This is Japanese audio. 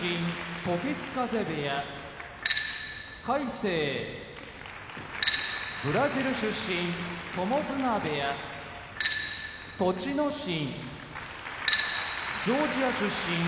時津風部屋魁聖ブラジル出身友綱部屋栃ノ心ジョージア出身春日野部屋